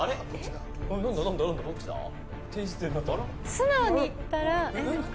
素直にいったら。